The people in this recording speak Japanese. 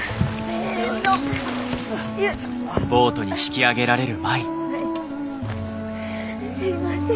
先輩すいません。